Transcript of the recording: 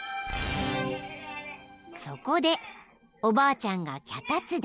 ［そこでおばあちゃんが脚立で］